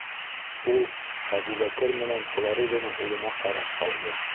- Ул Әбүбәкер менән Флориданың улына ҡарап алды.